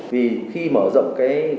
vì khi mà